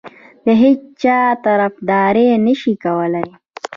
د هیچا طرفداري نه شي کولای.